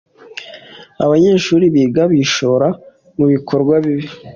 abanyeshuri bigana bishora mu bikorwa bibi